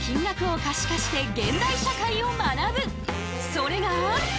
それが。